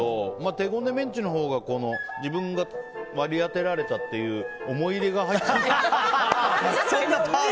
手ごねメンチのほうが自分が割り当てられたという思い入れが入ってて。